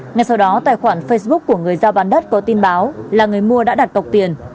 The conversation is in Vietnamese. ngay sau đó tài khoản facebook của người giao bán đất có tin báo là người mua đã đặt cọc tiền